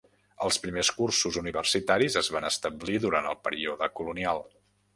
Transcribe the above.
Els primers cursos universitaris es van establir durant el període colonial.